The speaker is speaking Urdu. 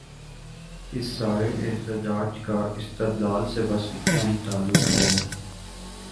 اس سارے احتجاج کا استدلال سے بس اتنا ہی تعلق ہے۔